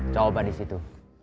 coba di situ